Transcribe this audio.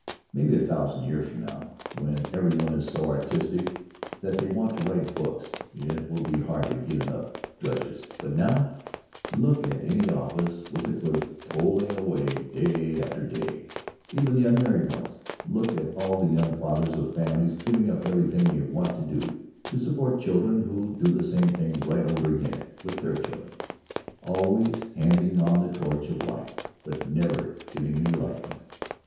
Maybe a thousand years from now, when every one is so artistic that they want to write books, it will be hard to get enough drudges. But now—— Look at any office, with the clerks toiling day after day, even the unmarried ones. Look at all the young fathers of families, giving up everything they want to do, to support children who'll do the same thing right over again with their children. Always handing on the torch of life, but never getting any light from it.